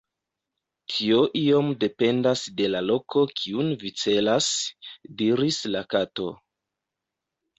"Tio iom dependas de la loko kiun vi celas," diris la Kato.